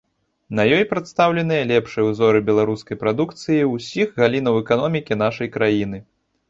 На ёй прадстаўленыя лепшыя ўзоры беларускай прадукцыі ўсіх галінаў эканомікі нашай краіны.